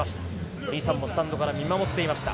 お兄さんもスタンドから見守っていました。